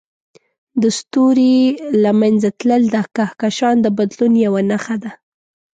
د ستوري له منځه تلل د کهکشان د بدلون یوه نښه ده.